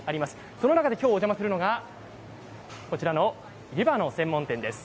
その中で今日お邪魔するのがこちらの湯葉の専門店です。